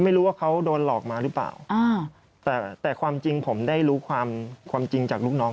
ไม่รู้ว่าเขาโดนหลอกมาหรือเปล่าอ่าแต่แต่ความจริงผมได้รู้ความความจริงจากลูกน้อง